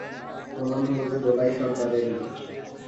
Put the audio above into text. প্রমাণ হল সে দোলাই সর্দারেরই।